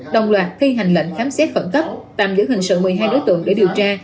đồng loạt thi hành lệnh khám xét khẩn cấp tạm giữ hình sự một mươi hai đối tượng để điều tra